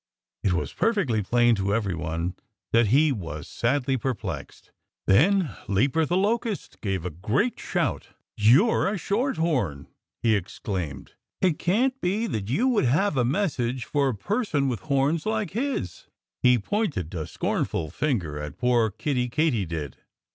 It was perfectly plain to everyone that he was sadly perplexed. Then Leaper the Locust gave a great shout. "You're a Short horn!" he exclaimed. "It can't be that you would have a message for a person with horns like his!" He pointed a scornful finger at poor Kiddie Katydid.